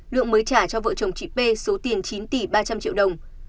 lượng mới trả cho vợ chồng chị p số tiền chín tỷ ba trăm linh triệu đồng